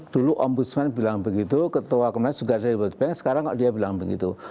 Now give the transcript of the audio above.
dulu om busman bilang begitu ketua kementerian juga dari world bank sekarang kok dia bilang begitu